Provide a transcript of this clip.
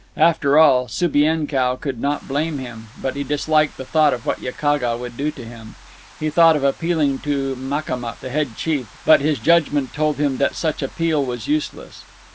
After all, Subienkow could not blame him, but he disliked the thought of what Yakaga would do to him. He thought of appealing to Makamuk, the head chief; but his judgment told him that such appeal was useless.